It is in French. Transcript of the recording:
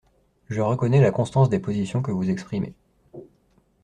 Je reconnais la constance des positions que vous exprimez.